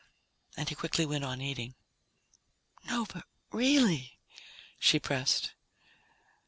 And he quickly went on eating. "No, but really," she pressed.